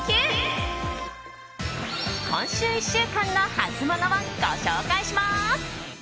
今週１週間のハツモノをご紹介します。